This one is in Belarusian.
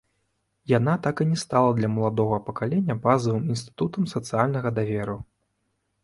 Яна так і не стала для маладога пакалення базавым інстытутам сацыяльнага даверу.